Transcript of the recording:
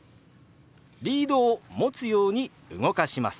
リードを持つように動かします。